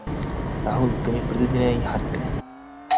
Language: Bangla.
রাহুল তুমি প্রতিদিনই হারতে।